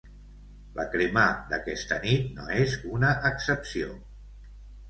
La cremà d’aquesta nit no és una excepció.